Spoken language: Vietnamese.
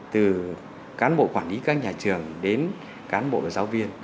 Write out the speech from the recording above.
từ cán bộ quản lý các nhà trường đến cán bộ và giáo viên